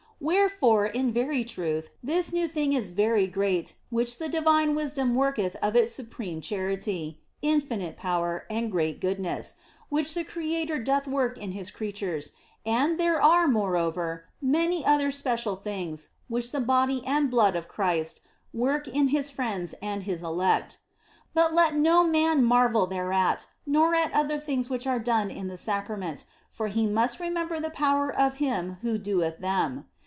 Wherefore, in very truth, this new thing is very great which the divine wisdom worketh of its supreme charity, infinite power, and great goodness, which the Creator doth work in His creatures, and there are, moreover, many other special new things, which the body and blood of Christ work in His friends and His elect. But let no man marvel thereat, nor at other things which are done in the Sacrament, for he must remember the power of Him who doeth them.